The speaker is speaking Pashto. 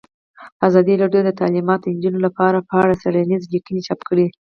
ازادي راډیو د تعلیمات د نجونو لپاره په اړه څېړنیزې لیکنې چاپ کړي.